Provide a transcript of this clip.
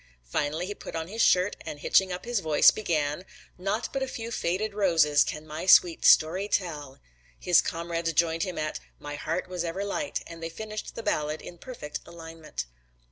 Finally he put on his shirt and hitching up his voice, began, "Naught but a few faded roses can my sweet story tell." His comrades joined him at "My heart was ever light," and they finished the ballad in perfect alignment.